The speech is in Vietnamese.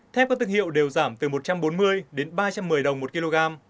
thép có tương hiệu đều giảm từ một trăm bốn mươi đến ba trăm một mươi đồng một kg